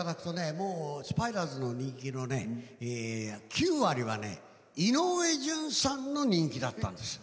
スパイダースの人気の９割は井上順さんの人気だったんですよ。